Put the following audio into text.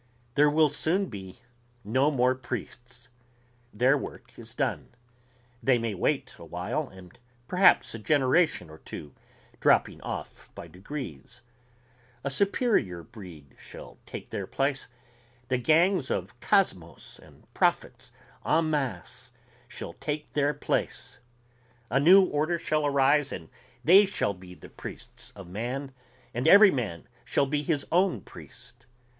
There will soon be no more priests. Their work is done. They may wait awhile ... perhaps a generation or two ... dropping off by degrees. A superior breed shall take their place ... the gangs of kosmos and prophets en masse shall take their place. A new order shall arise and they shall be the priests of man, and every man shall be his own priest.